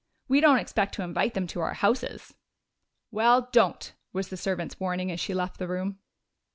"We don't expect to invite them to our houses." "Well, don't!" was the servant's warning as she left the room.